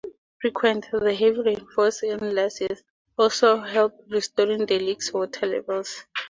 Frequent and heavy rainfalls, in last years, also helped restoring the lake's water levels.